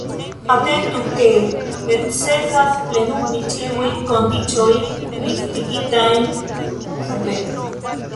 Atentu, ke necesas plenumi ĉiujn kondiĉojn listigitajn sube.